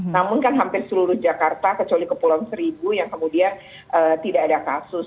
namun kan hampir seluruh jakarta kecuali kepulauan seribu yang kemudian tidak ada kasus